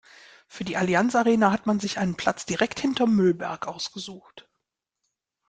Für die Allianz-Arena hat man sich einen Platz direkt hinterm Müllberg ausgesucht.